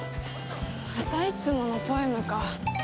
またいつものポエムか。